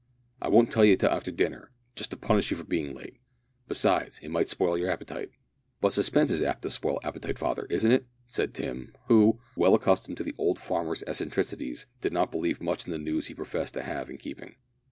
"I won't tell you till after dinner just to punish you for being late; besides, it might spoil your appetite." "But suspense is apt to spoil appetite, father, isn't it?" said Tim, who, well accustomed to the old farmer's eccentricities, did not believe much in the news he professed to have in keeping.